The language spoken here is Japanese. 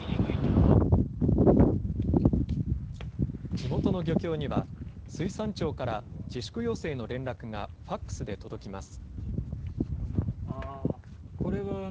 地元の漁協には、水産庁から自粛要請の連絡がファックスで届きます。